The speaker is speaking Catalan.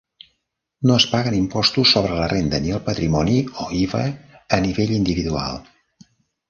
No es paguen impostos sobre la renda ni el patrimoni o IVA a nivell individual.